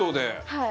はい。